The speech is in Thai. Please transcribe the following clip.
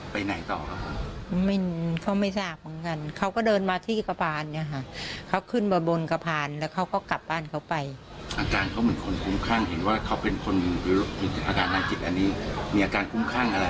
เพราะว่ามันเราก็ไม่รู้เหตุการณ์เขาก็ต่างคนต่างอยู่อ่ะใช่ไหม